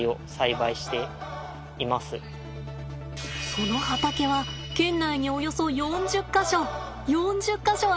その畑は県内におよそ４０か所４０か所あります。